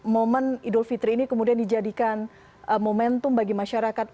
momen idul fitri ini kemudian dijadikan momentum bagi masyarakat